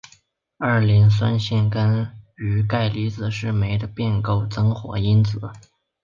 二磷酸腺苷与钙离子是酶的变构增活因子。